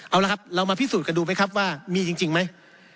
เอาละครับมาพิสูจน์กันดูว่ามีจริงไหม